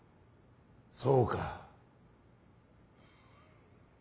そうか。